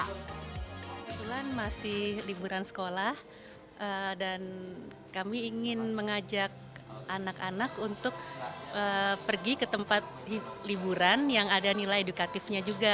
kebetulan masih liburan sekolah dan kami ingin mengajak anak anak untuk pergi ke tempat liburan yang ada nilai edukatifnya juga